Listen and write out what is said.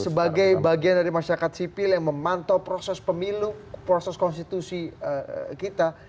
sebagai bagian dari masyarakat sipil yang memantau proses pemilu proses konstitusi kita